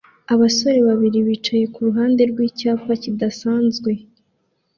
Abasore babiri bicaye kuruhande rwicyapa kidasanzwe